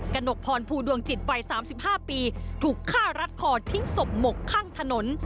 หนกพรภูดวงจิตวัย๓๕ปีถูกฆ่ารัดคอทิ้งศพหมกข้างถนน